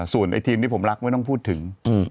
ส่วนไอ้ทีมที่ผมรักไม่ต้องพูดถึง